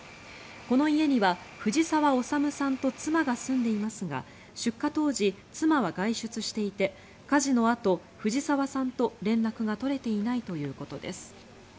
この家には藤沢修さんと妻が住んでいますが出火当時、妻は外出していて火事のあと、藤沢さんと連絡が取れていないということです。